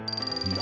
何？